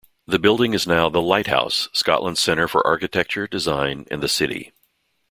The building is now the Lighthouse, Scotland's Centre for Architecture, Design and the City.